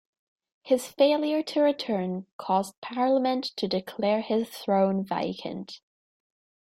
His failure to return caused Parliament to declare his throne vacant.